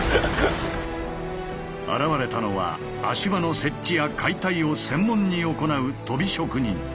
現れたのは足場の設置や解体を専門に行うとび職人。